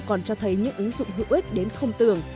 còn cho thấy những ứng dụng hữu ích đến không tưởng